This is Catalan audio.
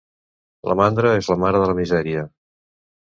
La mandra és la mare de la misèria.